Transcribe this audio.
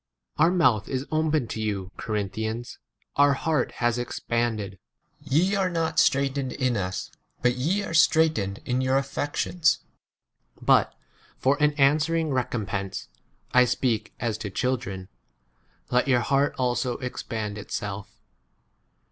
11 Our mouth is opened to you, Cor inthians, our heurt has expanded. 1 12 Ye are not straitened in us. but ye are straitened in your affections ; m • 3 but for an answering recompense, (I speak as to children,) let your heart also expand 11 itself.